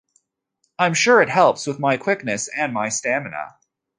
I'm sure it helps with my quickness and my stamina.